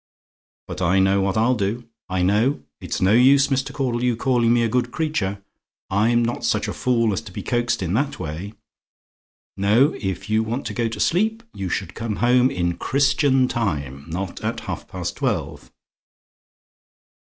But I know what I'll do. I know it's no use, Mr. Caudle, your calling me a good creature: I'm not such a fool as to be coaxed in that way. No; if you want to go to sleep, you should come home in Christian time, not at half past twelve.